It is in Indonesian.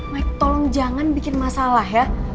weh tolong jangan bikin masalah ya